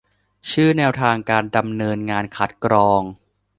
ชื่อ แนวทางการดำเนินงานคัดกรอง